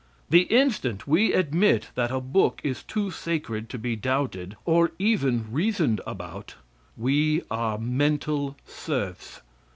The instant we admit that a book is too sacred to be doubted, or even reasoned about, we are mental serfs.